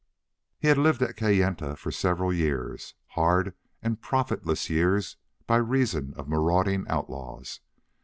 He had lived at Kayenta for several years hard and profitless years by reason of marauding outlaws.